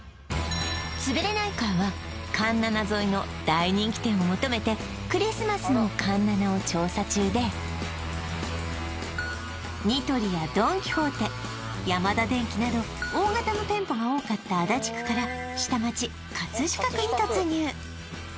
つぶれないカーは環七沿いの大人気店を求めてクリスマスも環七を調査中でニトリやドン・キホーテヤマダ電機など大型の店舗が多かった足立区から下町葛飾区に突入